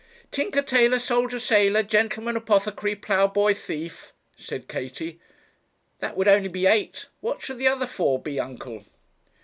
'Tinker, tailor, soldier, sailor, gentleman, apothecary, ploughboy, thief,' said Katie. 'That would only be eight; what should the other four be, uncle?'